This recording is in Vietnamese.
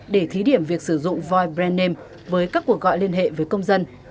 để thí điểm việc sử dụng void brand name với các cuộc gọi liên hệ với công dân